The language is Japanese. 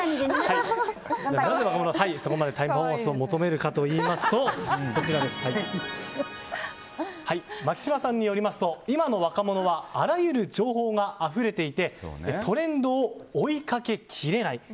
なぜ、若者はそこまでタイムパフォーマンスを求めるかといいますと牧島さんによりますと今の若者はあらゆる情報があふれていてトレンドを追いかけきれない。